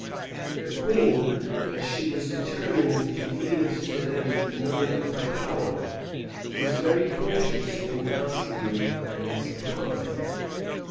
The queen, as she was determined to yield to them none of her power, was very cautious in asking them for any supply.